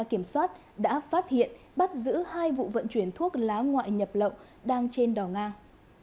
công an huyện bến cầu đã phát hiện bắt giữ hai vụ vận chuyển thuốc lá ngoại nhập lậu đang trên đò ngang